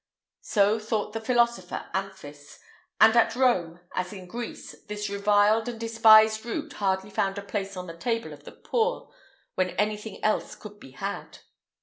[IX 172] So thought the philosopher Amphis. And at Rome, as in Greece, this reviled and despised root hardly found a place on the table of the poor, when anything else could be had.